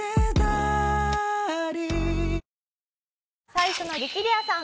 最初の激レアさん